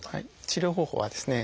治療方法はですね